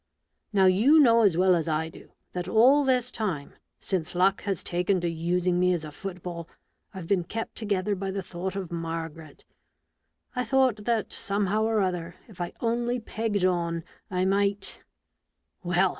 Now, you know as well as I do, that all this time, since luck has taken to using me as a football, I've been kept together by the thought of Margaret. I thought, that somehow or other, if I only pegged on, I might — Well